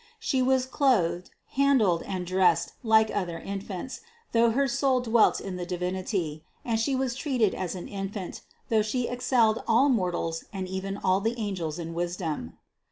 She was clothed, handled and dressed like other infants, though her soul dwelt in the Divinity; and She was treated as an infant, though She excelled all mortals and even all the angels in wisdom.